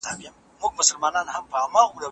¬ پنډ مه گوره، ايمان ئې گوره.